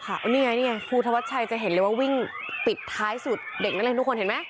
นี่ไงนี่ไงภูธวัชชัยจะเห็นเลยว่าวิ่งปิดท้ายสุดเด็กนักเรียนทุกคนเห็นไหม